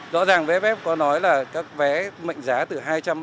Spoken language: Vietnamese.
rõ ràng vff có nói là các vé mệnh giá từ hai trăm linh ba trăm linh bốn trăm linh năm trăm linh